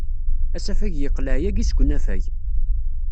Asafag yeqleɛ yagi seg unafag.